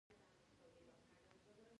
بزګان د افغانستان د شنو سیمو یوه ښکلا ده.